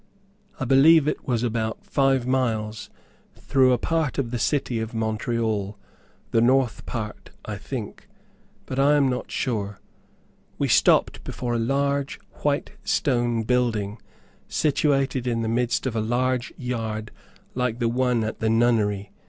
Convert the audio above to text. I believe it was about five miles, through a part of the city of Montreal; the north part I think, but I am not sure. We stopped before a large white stone building, situated in the midst of a large yard like the one at the nunnery.